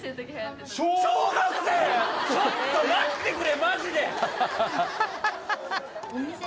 ちょっと待ってくれマジで！